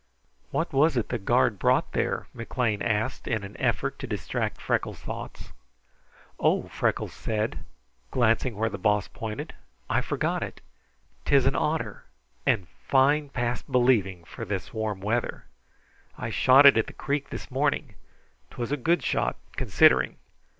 "What was it the guard brought there?" McLean asked in an effort to distract Freckles' thoughts. "Oh!" Freckles said, glancing where the Boss pointed, "I forgot it! 'Tis an otter, and fine past believing, for this warm weather. I shot it at the creek this morning. 'Twas a good shot, considering.